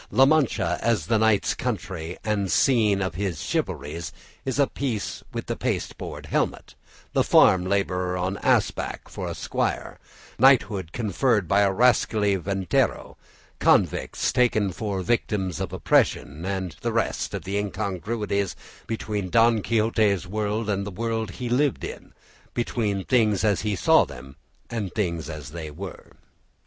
La Mancha as the knight's country and scene of his chivalries is of a piece with the pasteboard helmet, the farm labourer on ass back for a squire, knighthood conferred by a rascally ventero, convicts taken for victims of oppression, and the rest of the incongruities between Don Quixote's world and the world he lived in, between things as he saw them and things as they were.